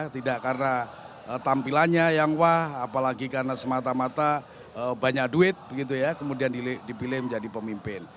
tidak karena tampilannya yang wah apalagi karena semata mata banyak duit begitu ya kemudian dipilih menjadi pemimpin